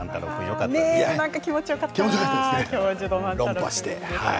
気持ちよかったです。